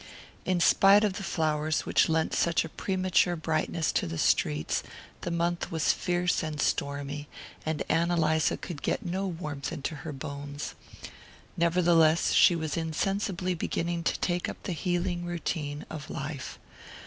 In spite of the flowers which lent such a premature brightness to the streets the month was fierce and stormy, and Ann Eliza could get no warmth into her bones. Nevertheless, she was insensibly beginning to take up the healing routine of life.